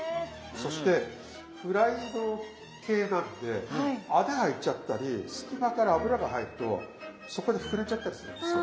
そしてフライド系なんで穴が開いちゃったり隙間から油が入るとそこで膨れちゃったりするんですよ。